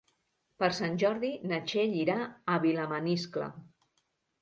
Per Sant Jordi na Txell irà a Vilamaniscle.